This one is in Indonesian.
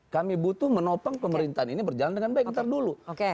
kami butuh menopang pemerintahan ini berjalan dengan baik